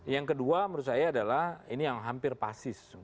yang kedua menurut saya adalah ini yang hampir pasis